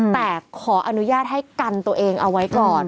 แต่ขออนุญาตให้กันตัวเองเอาไว้ก่อน